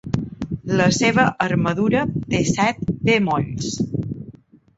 La seva armadura té set bemolls.